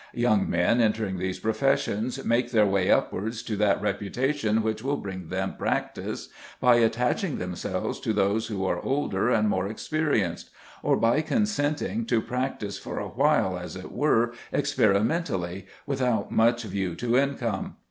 Young men entering these professions make their way upwards to that reputation which will bring them practice by attaching themselves to those who are older and more experienced, or by consenting to practise for a while, as it were, experimentally, without much view to income.